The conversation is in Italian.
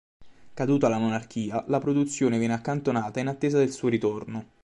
Caduta la monarchia la produzione viene accantonata in attesa del suo ritorno.